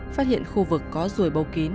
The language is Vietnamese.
phát hiện khu vực có rùi bầu kín